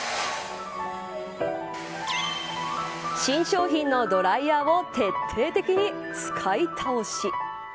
新商品のドライヤーを徹底的に使い倒し。